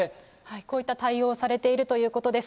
こういった対応をされているということです。